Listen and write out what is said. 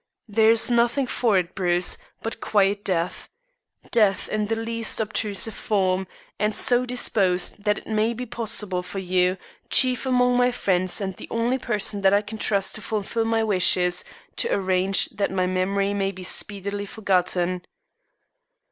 There is nothing for it, Bruce, but quiet death death in the least obtrusive form, and so disposed that it may be possible for you, chief among my friends and the only person I can trust to fulfil my wishes, to arrange that my memory may be speedily forgotten.